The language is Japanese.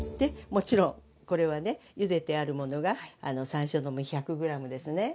もちろんこれはねゆでてあるものがあの山椒の実１００ｇですね。